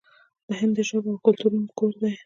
هند د ژبو او کلتورونو کور دی.